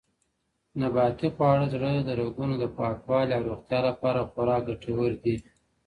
نباتي خواړه د زړه د رګونو د پاکوالي او روغتیا لپاره خورا ګټور دي.